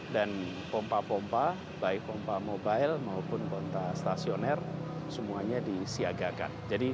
dan pompa pompa baik pompa mobile maupun pompa stasioner semuanya disiagakan